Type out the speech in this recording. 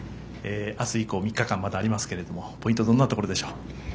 明日以降３日間まだありますけれどもポイントどんなところでしょう？